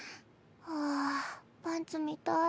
ああパンツ見たい。